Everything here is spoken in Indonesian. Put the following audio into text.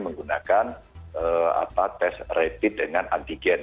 menggunakan tes rapid dengan antigen